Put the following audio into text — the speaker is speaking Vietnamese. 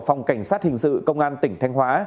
phòng cảnh sát hình sự công an tỉnh thanh hóa